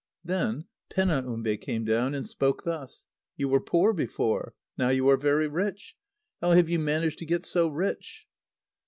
Then Penaumbe came down, and spoke thus: "You were poor before. Now you are very rich. How have you managed to get so rich?"